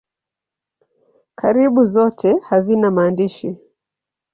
Karibu zote hazina maandishi.